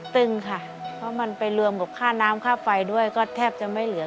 ตึงค่ะเพราะมันไปรวมกับค่าน้ำค่าไฟด้วยก็แทบจะไม่เหลือ